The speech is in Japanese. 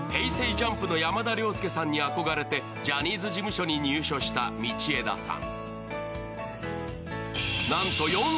ＪＵＭＰの山田涼介さんに憧れてジャニーズ事務所に入所した道枝さん。